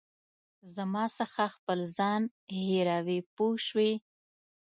زما څخه خپل ځان هېروې پوه شوې!.